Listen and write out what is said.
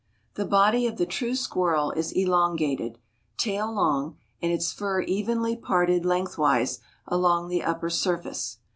The body of the true squirrel is elongated, tail long, and its fur evenly parted lengthwise along the upper surface.